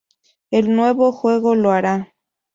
El nuevo juego lo hará.